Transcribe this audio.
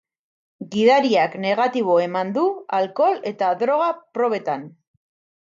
Gidariak negatibo eman du alkohol eta droga probetan.